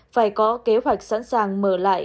phải có kế hoạch sẵn sàng mở lại